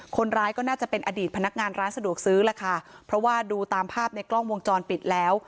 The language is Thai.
คนร้ายก็น่าจะเป็นอดีตพนักงานร้านสะดวกซื้อแหละค่ะเพราะว่าดูตามภาพในกล้องวงจรปิดแล้ว